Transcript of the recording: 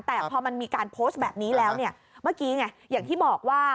แต่พอมันมีการโพสต์แบบนี้แล้วเนี่ยเมื่อกี้ไงอย่างที่บอกว่า